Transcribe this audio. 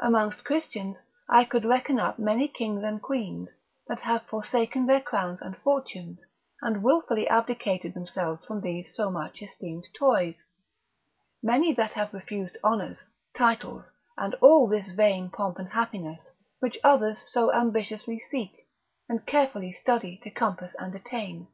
Amongst Christians I could reckon up many kings and queens, that have forsaken their crowns and fortunes, and wilfully abdicated themselves from these so much esteemed toys; many that have refused honours, titles, and all this vain pomp and happiness, which others so ambitiously seek, and carefully study to compass and attain.